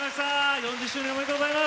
４０周年おめでとうございます！